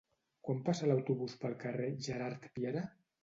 Quan passa l'autobús pel carrer Gerard Piera?